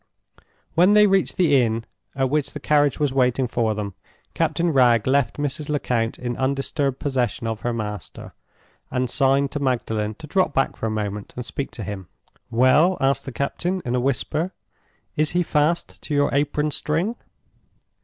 When they reached the inn at which the carriage was waiting for them, Captain Wragge left Mrs. Lecount in undisturbed possession of her master, and signed to Magdalen to drop back for a moment and speak to him. "Well?" asked the captain, in a whisper, "is he fast to your apron string?"